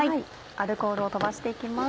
アルコールを飛ばして行きます。